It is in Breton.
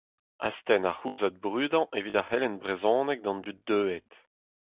Astenn ar c'houlzad brudañ evit ar c'helenn brezhoneg d'an dud deuet.